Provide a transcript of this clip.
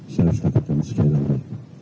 saya harus katakan sekali lagi